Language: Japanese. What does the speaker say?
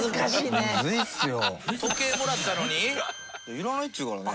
いらないって言うからね。